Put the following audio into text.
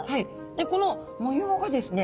でこの模様がですね